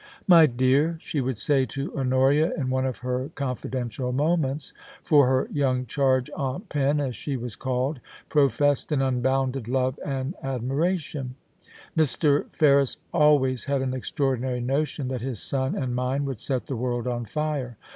* My dear,' she would say to Honoria in one of her con fidential moments — for her young charge Aunt Pen, as she was called, professed an unbounded love and admiration —* Mr. Ferris always had an extraordinary notion that his son and mine would set the world on fire.